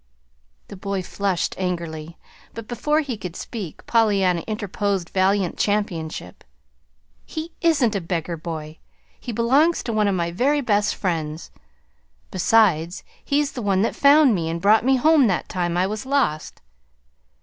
The boy flushed angrily; but before he could speak Pollyanna interposed valiant championship. "He isn't a beggar boy. He belongs to one of my very best friends. Besides, he's the one that found me and brought me home that time I was lost."